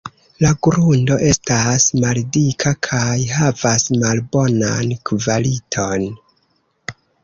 La grundo estas maldika kaj havas malbonan kvaliton.